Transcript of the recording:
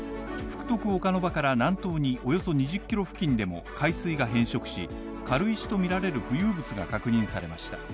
福徳岡ノ場から南東におよそ２０キロ付近でも海水が変色し、軽石とみられる浮遊物が確認されました。